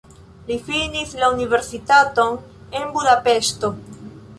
Li finis la universitaton en Budapeŝto.